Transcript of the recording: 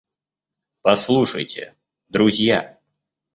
Послушайте, друзья!